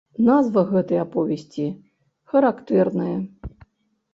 Назва гэтай аповесці характэрная.